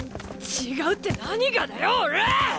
違うって何がだよオラ！